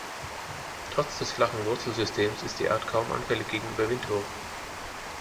Trotz des flachen Wurzelsystems ist die Art kaum anfällig gegenüber Windwurf.